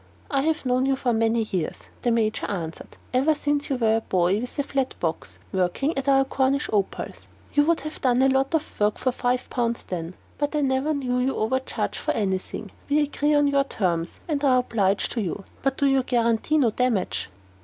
"I have known you for many years," the Major answered "ever since you were a boy, with a flat box, working at our Cornish opals. You would have done a lot of work for five pounds then. But I never knew you overcharge for any thing. We agree to your terms, and are obliged to you. But you guarantee no damage?"